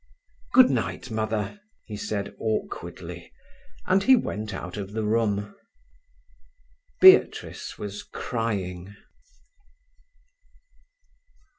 "Good night, Mother," he said awkwardly, and he went out of the room. Beatrice was crying.